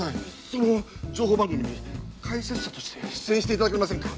その情報番組に解説者として出演していただけませんか？